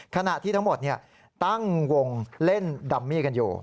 ขณะที่ทั้งหมดตั้งวงเล่นดัมมี่กันอยู่